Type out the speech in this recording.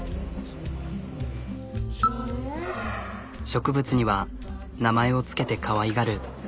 植物には名前をつけてかわいがる。